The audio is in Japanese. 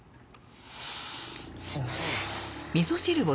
すみません。